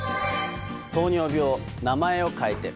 糖尿病、名前を変えて。